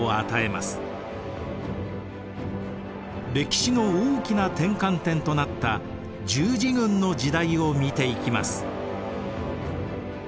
歴史の大きな転換点となった十字軍の時代を見ていきます。